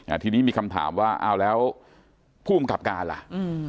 ทีนี้มีคำถามว่าอ้าวแล้วผู้อำกับการล่ะอืม